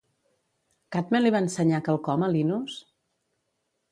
Cadme li va ensenyar quelcom a Linos?